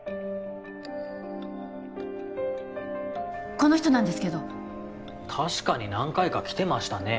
この人なんですけど確かに何回か来てましたね